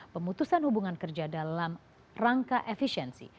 pemutusan hubungan kerja dalam rangka efisiensi